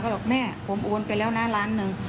บอกแม่ผมโอนไปแล้วนะล้านหนึ่ง